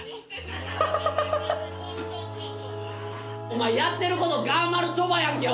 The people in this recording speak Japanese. お前やってることがまるちょばやんけ！